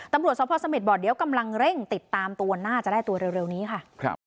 ตำรวจสภเสม็ดบอกเดี๋ยวกำลังเร่งติดตามตัวน่าจะได้ตัวเร็วนี้ค่ะ